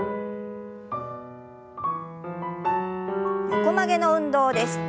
横曲げの運動です。